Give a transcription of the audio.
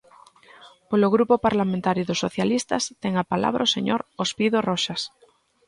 Polo Grupo Parlamentario dos Socialistas, ten a palabra o señor Ospido Roxas.